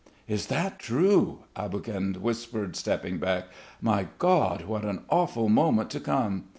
"Is that true?" Aboguin whispered, stepping back. "My God, what an awful moment to come!